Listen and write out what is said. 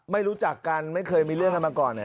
ไม่รู้จักกันไม่เคยมีเรื่องกันมาก่อนเนี่ย